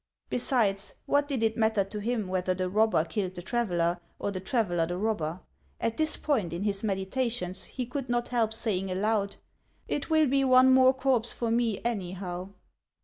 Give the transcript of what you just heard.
Besides, what did it mat ter to him whether the robber killed the traveller, or the traveller the robber? At this point in his meditations he could not help saying aloud :" It will be one more corpse for me, anyhow."